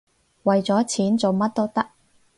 為咗錢，做乜都得